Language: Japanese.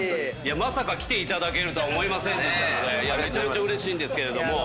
まさか来ていただけると思いませんでしたのでめちゃめちゃうれしいんですが。